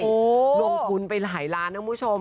โอ้โหลงทุนไปหลายล้านนะคุณผู้ชม